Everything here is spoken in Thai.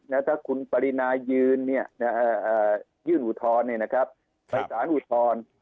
แล้วถ้าคุณปรินายืนยื่นอุทธรณ์ไปสารอุทธรณ์